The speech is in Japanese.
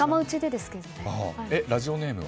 ラジオネームは？